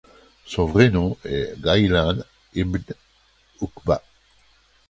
Son vrai nom est Ghaylân Ibn ʿUqba.